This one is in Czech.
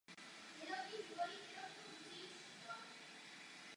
To jsme vždy vyžadovali.